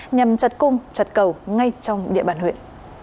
nhằm chặt cung chặt cầu ngay trong địa bàn huyện